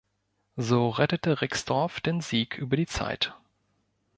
So rettete Rixdorf den Sieg über die Zeit.